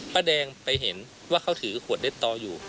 ป้าแดงไปเห็นว่าเขาถือขวดเล็ดตออยู่